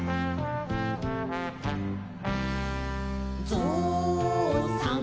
「ぞうさん